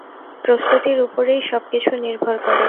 প্রস্তুতির উপরেই সব-কিছু নির্ভর করে।